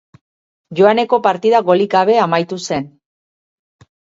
Joaneko partida golik gabe amaitu zen.